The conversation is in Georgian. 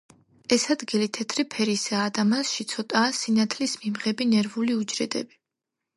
ეს ადგილი თეთრი ფერისაა და მასში ცოტაა სინათლის მიმღები ნერვული უჯრედები.